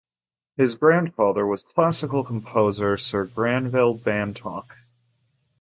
His grandfather was classical composer Sir Granville Bantock.